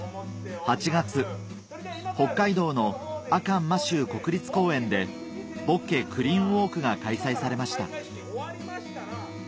８月北海道の阿寒摩周国立公園でボッケクリーンウォークが開催されました